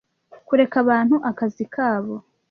kureka abantu akazi kabo